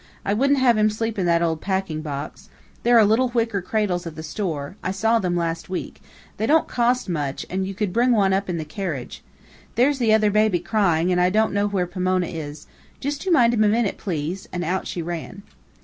I wouldn't have him sleep in that old packing box. There are little wicker cradles at the store I saw them last week they don't cost much, and you could bring one up in the carriage. There's the other baby, crying, and I don't know where Pomona is. Just you mind him a minute, please!" and out she ran.